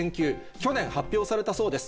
去年発表されたそうです。